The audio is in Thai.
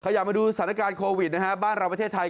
อยากมาดูสถานการณ์โควิดนะฮะบ้านเราประเทศไทย